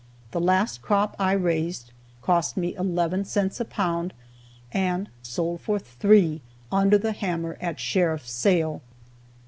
The last crop I raised cost me eleven cents a pound and sold for three under the hammer at sheriff's sale.